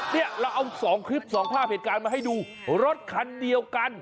เนี่ยเราเอา๒คลิป๒ภาพเหตุการณ์มาให้ดูรถคันเดียวกัน